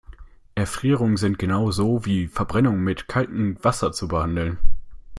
Erfrierungen sind genau so wie Verbrennungen mit kaltem Wasser zu behandeln.